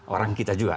orang kita juga